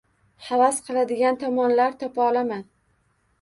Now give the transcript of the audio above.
Havas qiladigan tomonlar topa olaman.